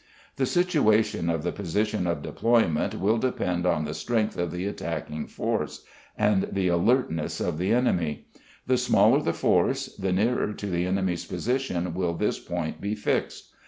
The situation of the position of deployment will depend on the strength of the attacking force, and the alertness of the enemy; the smaller the force the nearer to the enemy's position will this point be fixed.